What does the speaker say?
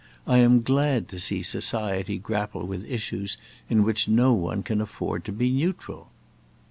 I am glad to see society grapple with issues in which no one can afford to be neutral."